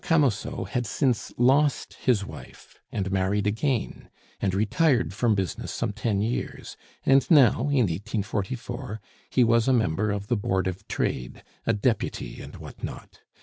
Camusot had since lost his wife and married again, and retired from business some ten years, and now in 1844 he was a member of the Board of Trade, a deputy, and what not.